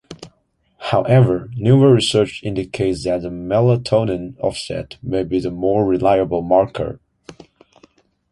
However, newer research indicates that the melatonin "offset" may be the more reliable marker.